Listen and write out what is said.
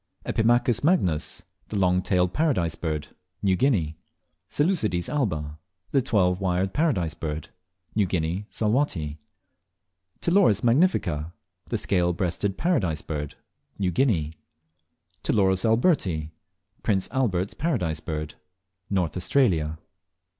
10. Epimachus magnus (The Long tailed Paradise Bird). New Guinea 11. Seleucides albs (The Twelve wired Paradise Bird).New Guinea, Salwatty. 12. Ptiloris magnifica (The Scale breasted Paradise Bird). New Guinea. 13. Ptiloris alberti (Prince Albert's Paradise Bird). North Australia.